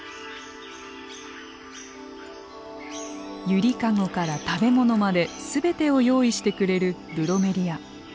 揺りかごから食べ物まで全てを用意してくれるブロメリア。